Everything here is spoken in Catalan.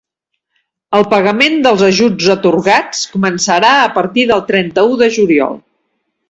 El pagament dels ajuts atorgats començarà a partir del trenta-u de juliol.